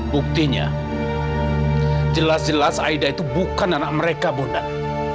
buktinya jelas jelas aida itu bukan anak mereka bundar